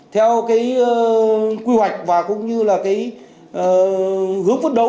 theo cái quy hoạch và cũng như là cái hướng phấn đấu